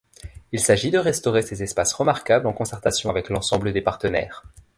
Il s'agit de restaurer ces espaces remarquables en concertation avec l'ensemble des partenaires.